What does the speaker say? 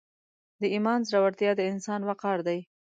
د ایمان زړورتیا د انسان وقار دی.